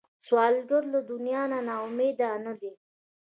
سوالګر له دنیا نه نا امیده نه دی